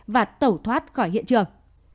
và tẩu thoát khỏi hiện trường